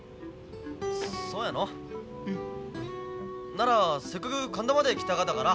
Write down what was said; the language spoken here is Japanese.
ならせっかく神田まで来たがだから。